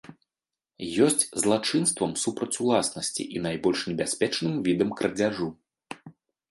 Ёсць злачынствам супраць уласнасці і найбольш небяспечным відам крадзяжу.